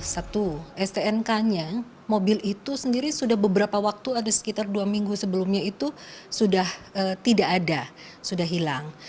satu stnk nya mobil itu sendiri sudah beberapa waktu ada sekitar dua minggu sebelumnya itu sudah tidak ada sudah hilang